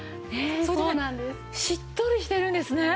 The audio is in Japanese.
それでしっとりしてるんですね！